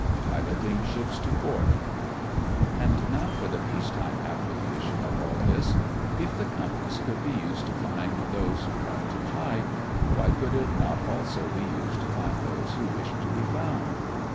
PILOTING SHIPS INTO PORT And now for the peace time application of all this. If the compass could be used to find those who tried to hide, why could it not also be used to find those who wished to be found?